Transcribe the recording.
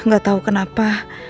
gak tahu kenapa